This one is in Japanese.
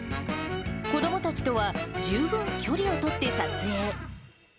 子どもたちとは十分距離を取って撮影。